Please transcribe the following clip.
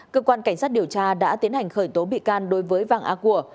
cơ quan cảnh sát điều tra đã tiến hành khởi tố bị can đối với vàng a của